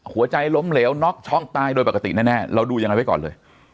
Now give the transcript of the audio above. หัวใจล้มเหลวน็อกช็อกตายโดยปกติแน่เราดูยังไงไว้ก่อนเลย